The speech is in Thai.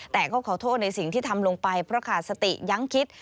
แต่ก็ขอโทษในสิ่งที่ทำลงไปเพราะขาดสติยังคิด